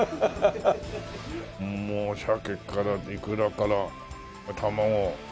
もうシャケからイクラから卵。